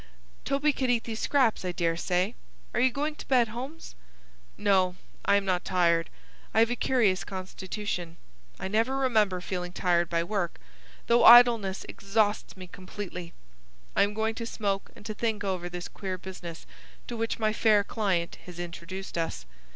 "Toby could eat these scraps, I dare say. Are you going to bed, Holmes?" "No; I am not tired. I have a curious constitution. I never remember feeling tired by work, though idleness exhausts me completely. I am going to smoke and to think over this queer business to which my fair client has introduced us.